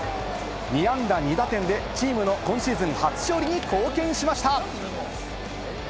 ２安打２打点でチームの今シーズン初勝利に貢献しました。